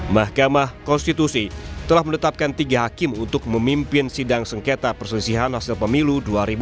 mahkamah konstitusi telah menetapkan tiga hakim untuk memimpin sidang sengketa perselisihan hasil pemilu dua ribu dua puluh